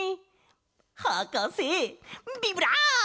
はかせビブラーボ！